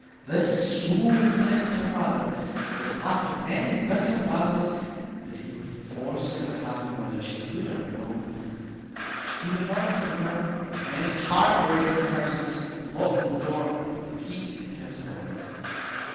This so incensed her father, that after many bitter vows, that he would force her to have him whether she would or no, he departed from her with many hard words and curses, locked the door, and put the key into his pocket.